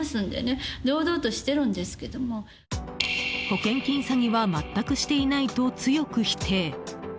保険金詐欺は全くしていないと強く否定。